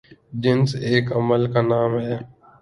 جنس ایک عمل کا نام ہے